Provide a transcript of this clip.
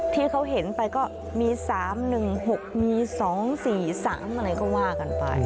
ที่เขาเห็นไปก็มี๓๑๖มี๒๔๓อะไรก็ว่ากันไป